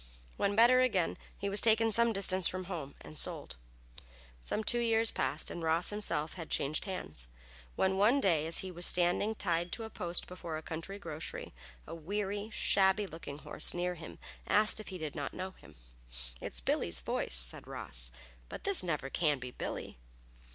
When better again, he was taken some distance from home and sold. Some two years passed and Ross himself had changed hands, when one day as he was standing tied to a post before a country grocery, a weary, shabby looking horse near him asked if he did not know him. "It's Billy's voice," said Ross, "but this never can be Billy."